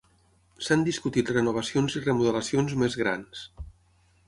S'han discutit renovacions i remodelacions més grans.